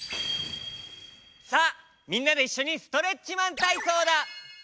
さあみんなでいっしょに「ストレッチマンたいそう」だ。